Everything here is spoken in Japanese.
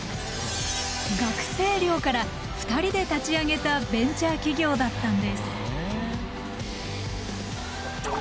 学生寮から２人で立ち上げたベンチャー企業だったんです。